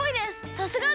さすがです！